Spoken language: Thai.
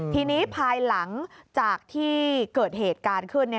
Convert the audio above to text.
ทีนี้ภายหลังจากที่เกิดเหตุการณ์ขึ้น